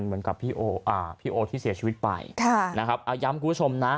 เหมือนกับพี่โอที่เสียชีวิตไปค่ะนะครับเอาย้ำคุณผู้ชมนะ